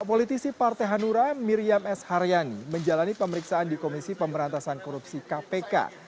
politisi partai hanura miriam s haryani menjalani pemeriksaan di komisi pemberantasan korupsi kpk